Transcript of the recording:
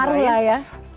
terpengaruh lah ya